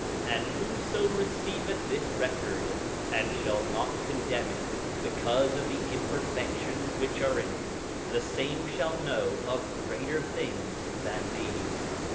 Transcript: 8:12 And whoso receiveth this record, and shall not condemn it because of the imperfections which are in it, the same shall know of greater things than these.